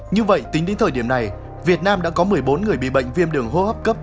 như vậy tính đến thời điểm này việt nam đã có một mươi bốn người bị bệnh viêm đường hô hấp cấp